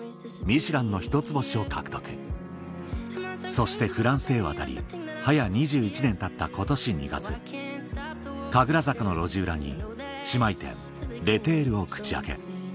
そしてフランスへ渡りはや２１年たった今年２月神楽坂の路地裏に姉妹店「Ｌ’ＥＴＥＲＲＥ」を口開け